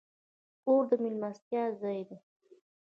کور د میلمستیا ځای دی.